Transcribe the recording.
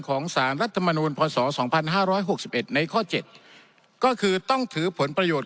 สารรัฐมนูลพศ๒๕๖๑ในข้อ๗ก็คือต้องถือผลประโยชน์